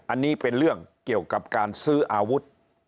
อันนี้เป็นเรื่องเกี่ยวกับการซื้ออาวุธ